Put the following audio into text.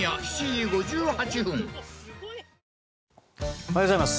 おはようございます。